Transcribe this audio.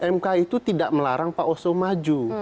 mk itu tidak melarang pak oso maju